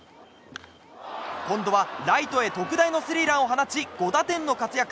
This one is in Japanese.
今度はライトへ特大のスリーランを放ち５打点の活躍。